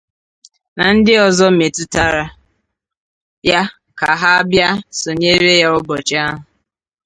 na ndị ọzọ metụtara ya ka ha bịa sonyere ya ụbọchị ahụ